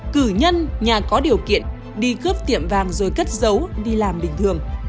cử nhân nhà có điều kiện đi cướp tiệm vàng rồi cất giấu đi làm bình thường